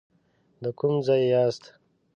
د کوم ځای یاست.